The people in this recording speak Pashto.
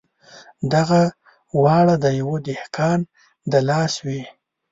دغه واړه د یوه دهقان د لاس وې.